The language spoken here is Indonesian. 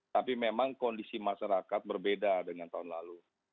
tapi memang kondisi masyarakat berbeda dengan tahun lalu